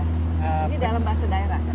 jadi dalam bahasa daerah kan